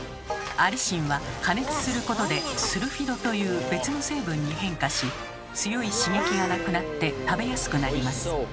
アリシンは加熱することでスルフィドという別の成分に変化し強い刺激がなくなって食べやすくなります。